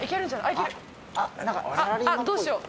あっ、どうしよう。